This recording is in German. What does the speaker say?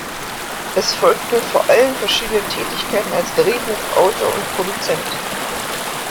Es folgten vor allem verschiedene Tätigkeiten als Drehbuchautor und Produzent.